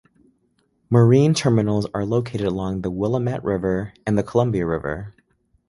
Marine terminals are located along the Willamette River and the Columbia River.